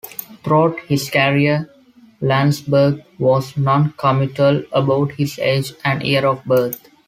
Throughout his career, Landesberg was noncommittal about his age and year of birth.